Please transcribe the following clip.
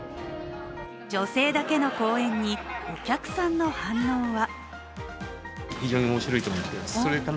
女性だけの公演にお客さんの反応は。